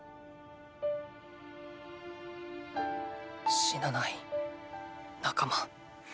死なない仲間。